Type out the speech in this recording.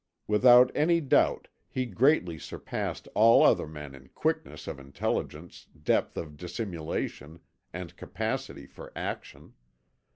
"Without any doubt he greatly surpassed all other men in quickness of intelligence, depth of dissimulation, and capacity for action.